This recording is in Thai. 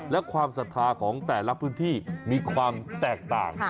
และความศรัทธาของแต่ละพื้นที่มีความแตกต่าง